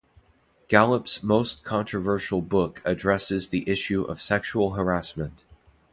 Gallop's most controversial book addresses the issue of sexual harassment.